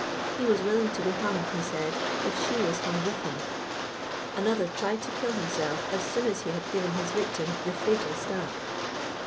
He was willing to be hung, he said, if she was hung with him. Another tried to kill himself as soon as he had given his victim the fatal stab.